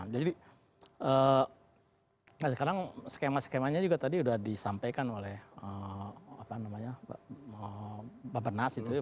jadi sekarang skema skema nya juga tadi sudah disampaikan oleh apa namanya pak bapak nas itu ya